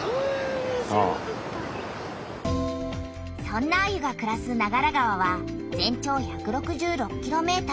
そんなアユがくらす長良川は全長１６６ｋｍ。